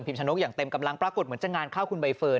ชนกอย่างเต็มกำลังปรากฏเหมือนจะงานเข้าคุณใบเฟิร์น